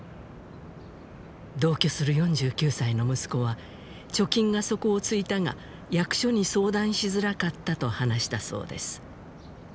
同居する４９歳の息子は貯金が底をついたが役所に相談しづらかったと話したそうです。